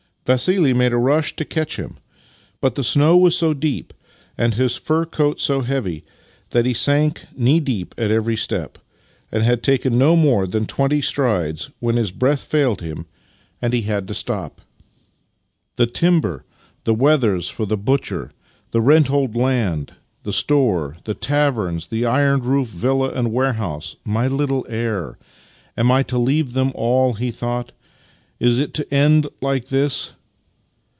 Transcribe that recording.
X'assili made a rush to catch him, but the snow was so deep,, and his fur coat so heavy, tliat he sank knee deep at every step, and had taken no more than twenty strides when his breath failed him, and he had to stop. " The timber, the wethers for the butcher, the rent hold land, the store, the taverns, the iron roofed villa and warehouse, my little heir — am I to leave them all? " he thought. " Is it to end like this?